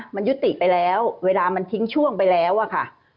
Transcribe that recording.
มันยุติไปแล้วเวลามันทิ้งช่วงไปแล้วอะค่ะ